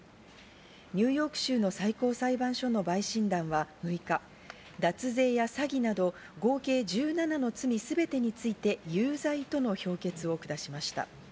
ニューヨーク州の最高裁判所の陪審団は６日、脱税や詐欺など合計１７の罪すべてについて有罪との評決を下しました。